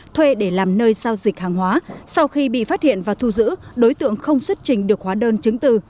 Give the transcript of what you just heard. thuê để làm nơi giao dịch hàng hóa sau khi bị phát hiện và thu giữ đối tượng không xuất trình được hóa đơn chứng từ